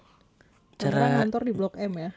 tangerang ngantor di blok m ya